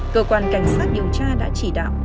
cơ quan cảnh sát điều tra đã chỉ đạo